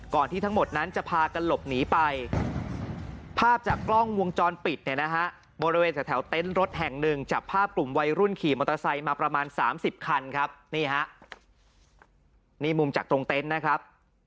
ก่อนที่ทั้งหมดนั้นจะพากันหลบหนีไปภาพจากกล้องวงจรปิดบนระเวทแถวเต็นต์รถแห่งหนึ่งจับภาพกลุ่มวัยรุ่นขี่มอเตอร์ไซค์มาประมาณ๓๐คันครับ